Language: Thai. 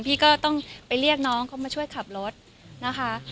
พี่ก็ต้องไปเรียกน้องเขามาช่วยขับรถนะคะ